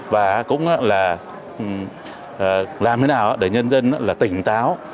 và cũng là làm thế nào để nhân dân là tỉnh táo